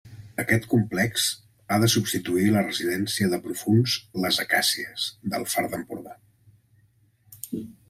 Aquest complex ha de substituir la residència de profunds Les Acàcies, del Far d'Empordà.